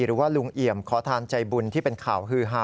หรือว่าลุงเอี่ยมขอทานใจบุญที่เป็นข่าวฮือฮา